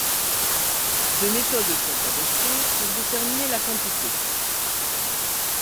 Deux méthodes sont adoptées pour déterminer la quantité.